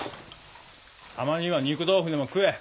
たまには肉豆腐でも食え。